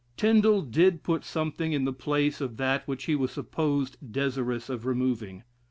Tindal did put something in the place of that which he was supposed desirous of removing.